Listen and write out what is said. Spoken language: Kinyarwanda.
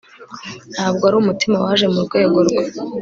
Ntabwo ari umutima waje mu rwego rwe